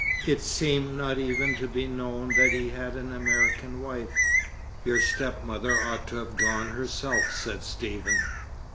It seemed not even to be known that he had an American wife." "Your stepmother ought to have gone herself," said Stephen.